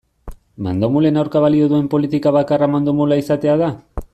Mandomulen aurka balio duen politika bakarra mandomula izatea da?